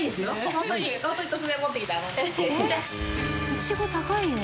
イチゴ高いよ。